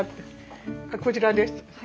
こちらです。